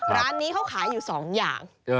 ร้านนี้เขาขายอยู่๒อย่าง